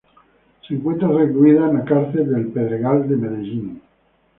Se encuentra recluida en la cárcel El Pedregal de Medellín.